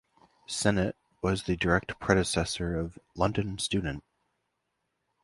"Sennet" was the direct predecessor of "London Student".